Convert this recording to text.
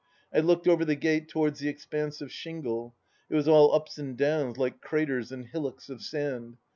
... I looked over the gate, towards the expanse of shingle. ... It was all ups and downs, like craters and hillocks of sand.